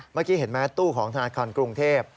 เมื่อกี้เห็นไหมตู้ของธนาคารกรุงเทพ